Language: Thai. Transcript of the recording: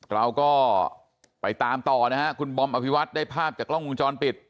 เราก็ไปตามต่อนะฮะคุณบอมอภิวัตได้ภาพจากกล้องวงจรปิด